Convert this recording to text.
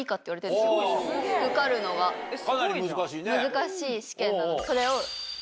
難しい試験なの。